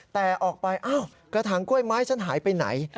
แต่ออกไปอ้าวกระถางกล้วยไม้ฉันหายไปไหน